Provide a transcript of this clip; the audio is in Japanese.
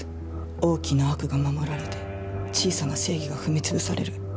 大きな悪が守られて小さな正義が踏み潰される